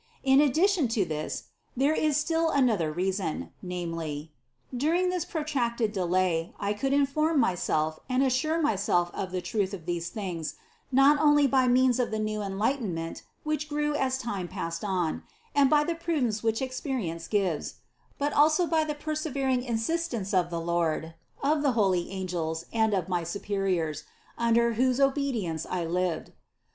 In addition to this, there was still another rea son, namely : During this protracted delay I could inform myself and assure myself of the truth of these things not only by means of the new enlightenment, which grew as time passed on, and by the prudence which experience gives, but also by the persevering insistence of the Lord, of the holy angels and of my superiors, under whose obedience I lived.